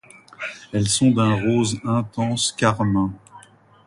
Elles sont d'un rose intense carmin.